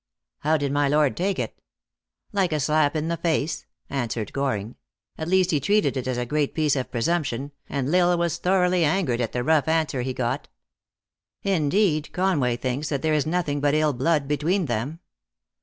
" How did my lord take it ?"" Like a slap in the face," answered Goring. " At least he treated it as a great piece of presumption, and L Isle was thoroughly angered at the rough answer he got. Indeed, Conway thinks that there is nothing but ill blood between them."